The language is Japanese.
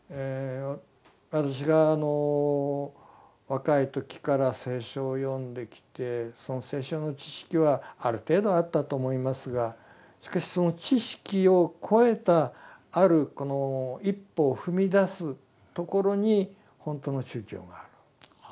私が若い時から聖書を読んできてその聖書の知識はある程度あったと思いますがしかしその知識を超えたあるこの一歩を踏み出すところにほんとの宗教がある。